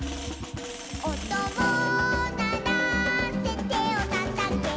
「おとをならせてをたたけ」